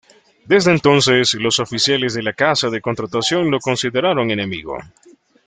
Desde entonces los oficiales de la Casa de Contratación lo consideraron su enemigo.